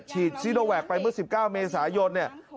ฉีดซีดวัคซีนไปเมื่อ๑๙เมษายนเนี่ย